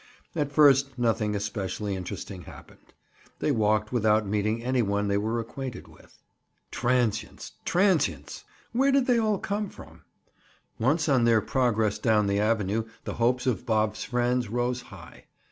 At first nothing especially interesting happened. They walked without meeting any one they were acquainted with. Transients! transients! where did they all come from? Once on their progress down the avenue the hopes of Bob's friends rose high.